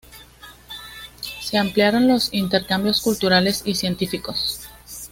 Se ampliaron los intercambios culturales y científicos.